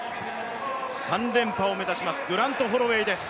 ３連覇を目指しますグラント・ホロウェイです。